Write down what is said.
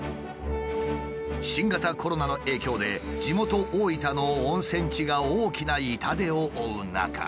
新型コロナの影響で地元大分の温泉地が大きな痛手を負う中。